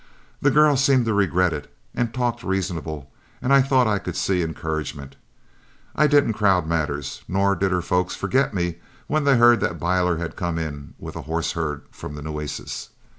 The girl seemed to regret it and talked reasonable, and I thought I could see encouragement. I didn't crowd matters, nor did her folks forget me when they heard that Byler had come in with a horse herd from the Nueces.